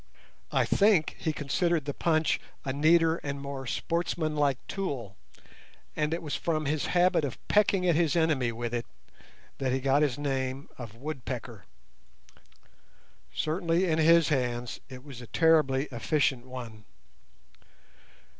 I think he considered the punch a neater and more sportsmanlike tool, and it was from his habit of pecking at his enemy with it that he got his name of "Woodpecker". Certainly in his hands it was a terribly efficient one.